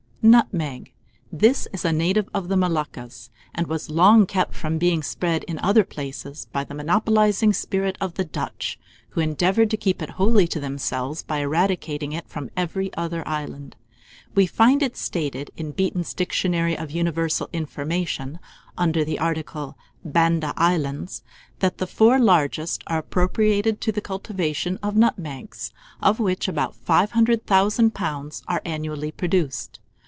] NUTMEG. This is a native of the Moluccas, and was long kept from being spread in other places by the monopolizing spirit of the Dutch, who endeavoured to keep it wholly to themselves by eradicating it from every other island. We find it stated in "Beeton's Dictionary of Universal Information," under the article "Banda Islands," that the four largest are appropriated to the cultivation of nutmegs, of which about 500,000 lbs. are annually produced.